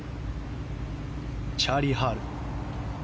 チャーリー・ハル。